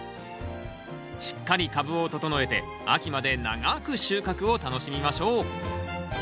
しっかり株を整えて秋まで長く収穫を楽しみましょう。